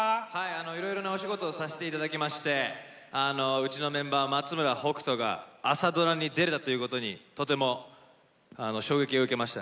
いろいろなお仕事をさせていただきましてうちのメンバー、松村北斗が朝ドラに出られたということがとても衝撃を受けました。